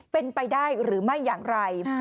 เป็นไปได้หรือไม่อย่างไร